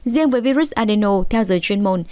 riêng với virus adeno theo giới chuyên môn